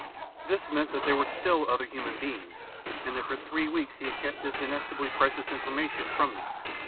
This meant that there were still other human beings, and that for three weeks he had kept this inestimably precious information from me.